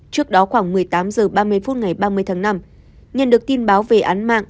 trước đó khoảng một mươi tám h ba mươi phút ngày ba mươi tháng năm nhận được tin báo về án mạng